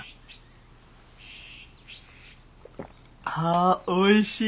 あおいしい！